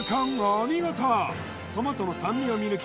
お見事！